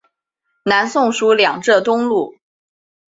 南宋属两浙东路。